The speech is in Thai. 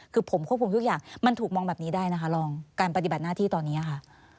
คือผมควบคุมทุกอย่างมันถูกมองแบบนี้ได้นะคะลองการปฏิบัติหน้าที่ตอนนี้ค่ะ